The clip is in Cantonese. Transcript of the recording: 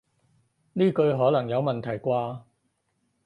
呢句可能有問題啩